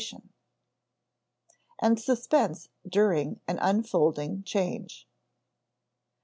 [Sidenote: and suspense during an unfolding change] II.